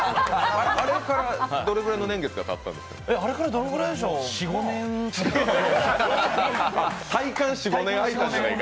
あれからどれぐらいの年月がたったんでしょうか？